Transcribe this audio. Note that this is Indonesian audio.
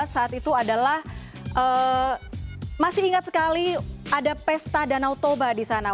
saat itu adalah masih ingat sekali ada pesta danau toba di sana